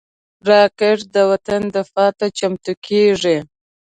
راکټ د وطن دفاع ته چمتو کېږي